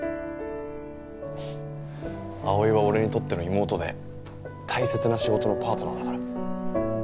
葵は俺にとっての妹で大切な仕事のパートナーだから。